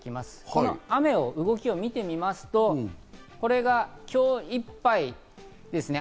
この雨の動きを見てみますと、これが今日いっぱいですね。